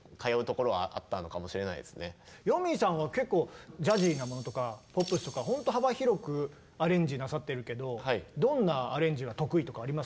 よみぃさんは結構ジャジーなものとかポップスとかほんと幅広くアレンジなさっているけどどんなアレンジが得意とかありますか？